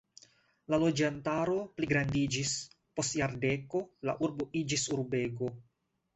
La loĝantaro pligrandiĝis, post jardeko la urbo iĝis urbego.